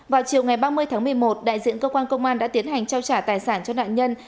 vào chiều ngày ba mươi tháng một mươi một đại diện cơ quan công an đã tiến hành trao trả tài sản cho nạn nhân